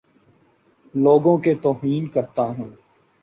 لوگوں کے توہین کرتا ہوں